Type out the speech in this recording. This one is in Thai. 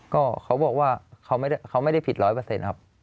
ก็เขาบอกว่าเขาไม่ได้ผิด๑๐๐ครับ